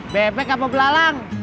bebek apa belalang